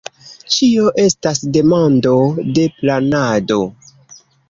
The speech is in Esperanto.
Ĉio estas demando de planado.